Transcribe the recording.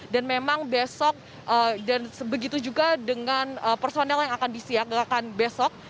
dan memang besok dan begitu juga dengan personel yang akan disiagakan besok